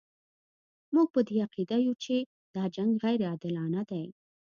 موږ په دې عقیده یو چې دا جنګ غیر عادلانه دی.